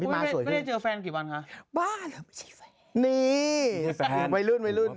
พี่หมอฮะพี่หมอกินเอง